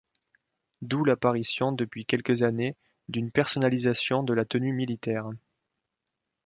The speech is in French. D'où l'apparition depuis quelques années d'une personnalisation de la tenue militaire.